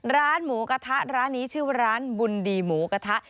ร้านหมูกระทะร้านนี้ชื่อว่าร้านบุญดีหมูกระทะ